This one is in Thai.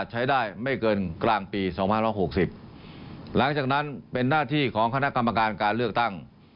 หลังจากนั้นเป็นหน้าที่ของคณะกรรมการการเลือกตั้ง